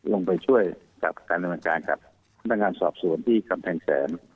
ลงไปช่วยการพรรณการกับทรวงการสอบสวนตอนที่กำแพงแทน